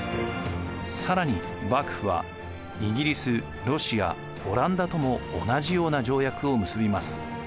更に幕府はイギリス・ロシア・オランダとも同じような条約を結びます。